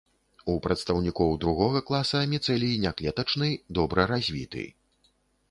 У прадстаўнікоў другога класа міцэлій няклетачны, добра развіты.